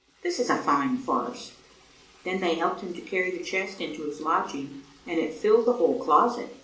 This is a fine farce!" Then they helped him to carry the chest into his lodging and it filled the whole closet.